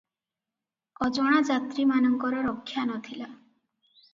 ଅଜଣା ଯାତ୍ରୀମାନଙ୍କର ରକ୍ଷା ନ ଥିଲା ।